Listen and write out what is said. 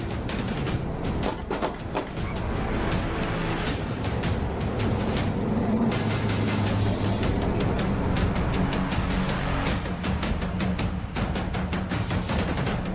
แล้วมันกำลังกลายเปลี่ยนแล้วมันกำลังกลายเปลี่ยน